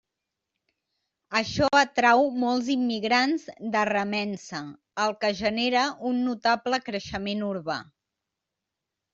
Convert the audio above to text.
Això atrau molts immigrants de remença, el que genera un notable creixement urbà.